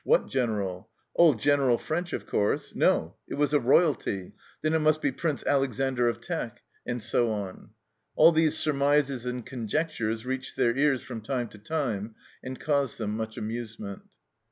What General ? Oh, General French, of course. No, it was a royalty. Then it must be Prince Alexander of Teck." And so on. All these surmises and conjectures reached their ears from time to time, and caused them much amusement.